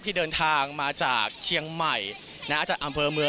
ที่เดินทางมาจากเชียงใหม่จากอำเภอเมือง